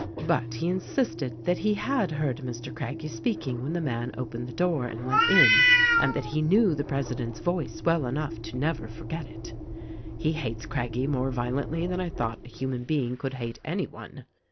But he insisted that he had heard Mr. Craggie speaking when the man opened the door and went in, and that he knew the president's voice well enough to never forget it. He hates Craggie more violently than I thought a human being could hate any one.